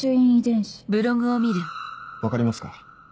分かりますか？